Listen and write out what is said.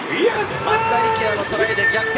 松田力也のトライで逆転。